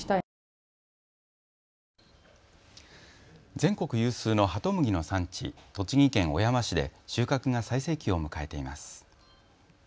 全国有数のハトムギの産地、栃木県小山市で収穫が最盛期を迎えています。